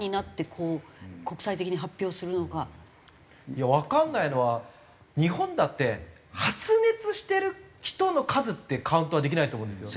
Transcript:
いやわかんないのは日本だって発熱してる人の数ってカウントはできないと思うんですよ。